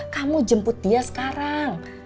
kamu jemput dia sekarang